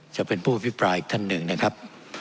จะเป็นผู้อภิปรายอีกท่านหนึ่งนะครับ